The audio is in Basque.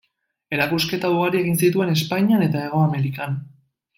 Erakusketa ugari egin zituen Espainian eta Hego Amerikan.